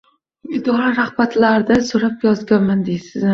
Idora rahbarlaridan so`rab yozganman deysanmi